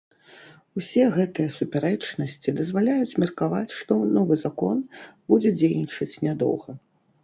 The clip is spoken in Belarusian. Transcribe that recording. Усе гэтыя супярэчнасці дазваляюць меркаваць, што новы закон будзе дзейнічаць нядоўга.